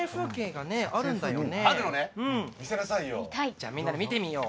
じゃあみんなで見てみよう。